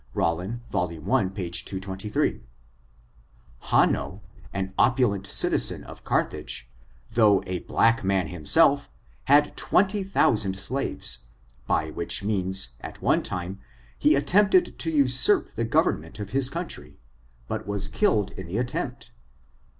— Rollin^ vol. i, p. 223* Han no, an opulent citizen of Carthage, though a black man himself, had twenty thousand slaves, by which means, at one time, he attempted to usurp the govern ment of his country, but was killed in the attempt.